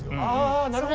あなるほど。